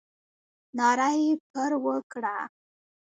ناره یې پر وکړه.